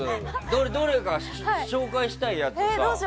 どれか紹介したいやつ。